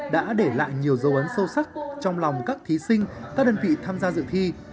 đã để lại nhiều dấu ấn sâu sắc trong lòng các thí sinh các đơn vị tham gia dự thi